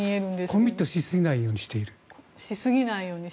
コミットしすぎないようにしている。